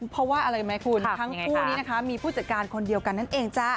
เพราะว่าอะไรไหมคุณทั้งคู่นี้นะคะมีผู้จัดการคนเดียวกันนั่นเองจ้า